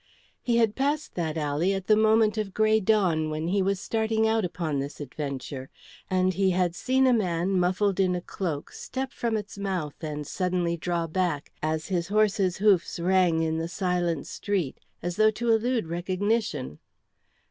He had passed that alley at the moment of grey dawn, when he was starting out upon this adventure, and he had seen a man muffled in a cloak step from its mouth and suddenly draw back as his horse's hoofs rang in the silent street, as though to elude recognition.